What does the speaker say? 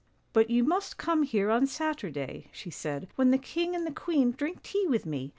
" But you must come here on Saturday," she said, " when the king and the queen drink tea with me.